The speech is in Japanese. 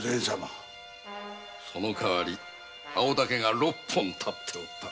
その代わりに青竹が六本立っておった。